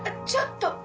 ちょっと。